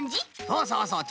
そうそうそう。